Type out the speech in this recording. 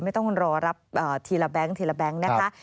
ไม่ต้องรอรับทีละแบงค์นะคะ